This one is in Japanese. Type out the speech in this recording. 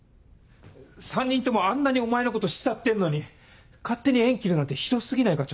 ３人ともあんなにお前のこと慕ってんのに勝手に縁切るなんてひど過ぎないか？